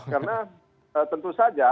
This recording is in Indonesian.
karena tentu saja